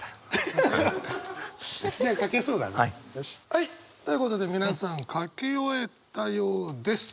はいということで皆さん書き終えたようです。